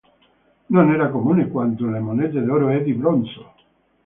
Non era comune quanto le monete d'oro e di bronzo.